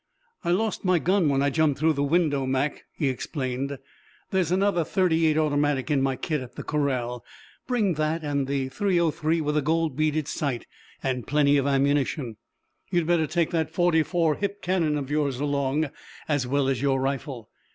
"I lost my gun when I jumped through the window, Mac," he explained. "There's another thirty eight automatic in my kit at the corral. Bring that, and the .303 with the gold bead sight and plenty of ammunition. You'd better take that forty four hip cannon of yours along, as well as your rifle.